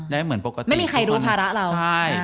ไม่มีใครรู้ภาระเรา